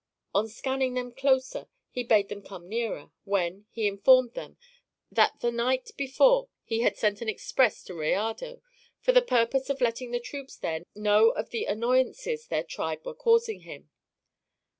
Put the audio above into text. On scanning them closer he bade them come nearer, when, he informed them, "that the night before he had sent an express to Rayado, for the purpose of letting the troops there know of the annoyances their tribe were causing him.